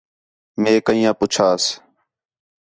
میں کئیں آ پُچھاس